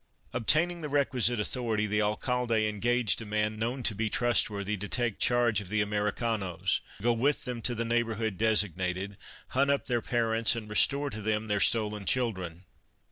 Obtaining the requisite authority, the Alcalde engaged a man, known to be trustworthy, to take charge of the Americanos, go with them to the neighborhood designated, hunt up their parents and restore to them their stolen children.